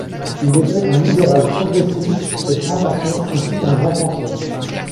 Il était un libéral progressif et franc-maçon ainsi qu'un grand penseur.